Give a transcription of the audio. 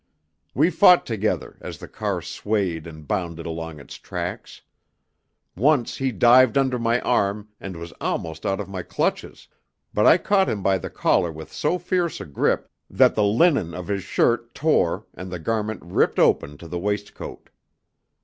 We fought together as the car swayed and bounded along its tracks. Once he dived under my arm and was almost out of my clutches, but I caught him by the collar with so fierce a grip that the linen of his shirt tore, and the garment ripped open to the waistcoat.